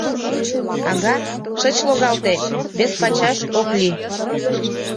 Ага, шыч логалте, вес пачаш ок лий!»